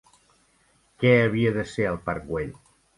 Què havia de ser el Parc Güell?